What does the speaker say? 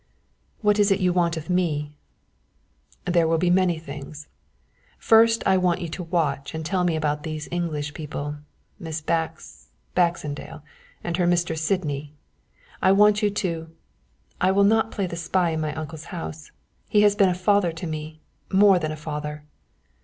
"What is it you want of me?" "There will be many things. First I want you to watch and tell me all about these English people, Miss Bax Baxendale and her Mr. Sydney. I want you to " "I will not play the spy in my uncle's house he has been a father to me more than a father."